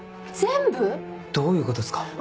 全部⁉どういうことっすか？